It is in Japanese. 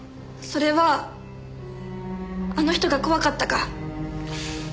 それはあの人が怖かったから。